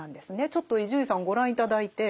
ちょっと伊集院さんご覧頂いて。